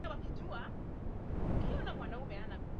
iliyoungana ulimwenguni Kwa mfano gharama ya kimataifa ya